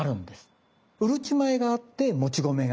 うるち米があってもち米がある。